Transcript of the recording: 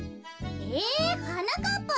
えはなかっぱ